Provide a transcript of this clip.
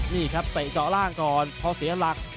นี่ครับเตะเจาะล่างก่อนพอเสียหลัก